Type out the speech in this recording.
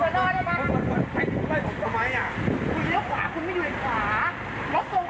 ลดตรงก็ก็ได้วิ่ง